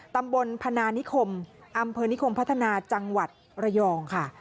ตำบลพนานิคมอำเภอนิคมพัฒนาจังหวัดระยองค่ะ